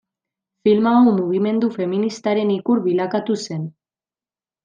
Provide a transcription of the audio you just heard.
Filma hau mugimendu feministaren ikur bilakatu zen.